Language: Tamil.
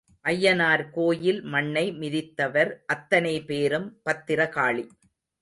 ஐயனார் கோயில் மண்ணை மிதித்தவர் அத்தனை பேரும் பத்திர காளி.